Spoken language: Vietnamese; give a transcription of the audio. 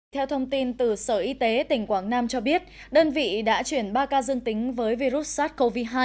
theo thông tin từ sở y tế tỉnh quảng nam cho biết đơn vị đã chuyển ba ca dương tính với virus sars cov hai